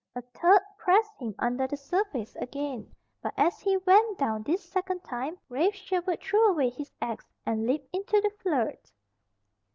A third pressed him under the surface again; but as he went down this second time, Rafe Sherwood threw away his axe and leaped into the flood!